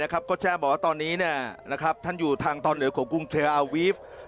โกแซบาวตอนนี้ท่านอยู่ทางตอนเหนือของกุ้งเทอรารวีฟ